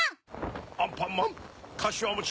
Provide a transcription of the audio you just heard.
アンパンマンかしわもち